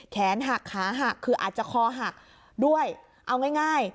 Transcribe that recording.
แขนหักขาหักคืออาจจะคอหักด้วยเอาง่าย